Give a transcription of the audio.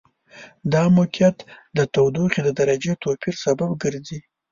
دا موقعیت د تودوخې د درجې توپیر سبب ګرځي.